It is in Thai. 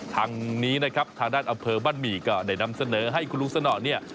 ทางนี้นะครับทางด้านอำเภอบ้านหมี่ก็ได้นำเสนอให้คุณลุงสนอเนี่ย